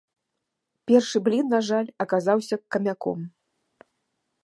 Першы блін, на жаль, аказаўся камяком.